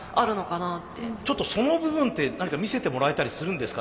ちょっとその部分って何か見せてもらえたりするんですかね？